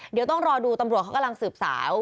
เดี๋ยวต้องรอดูตำรวจเขากำลังสืบสาว